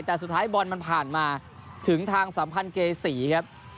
แต่สุดท้ายบอลมันผ่านมาถึงทางสัมพันธ์เกษีครับ